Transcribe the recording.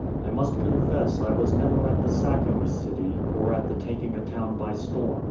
I must confess I was never at the sacking a city, or at the taking a town by storm.